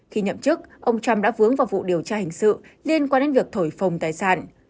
khi nhậm chức ông trump đã vướng vào vụ điều tra hình sự liên quan đến việc thổi phồng tài sản